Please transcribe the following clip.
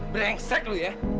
berengsek lu ya